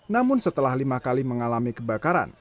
namun setelah lima kali mengalami kebakaran